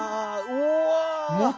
うわ！